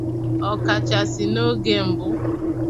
ọkachasị n'oge mbụ